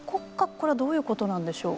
これはどういうことなんでしょう。